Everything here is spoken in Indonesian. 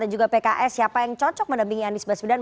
dan juga pks siapa yang cocok menempingi anis basbidan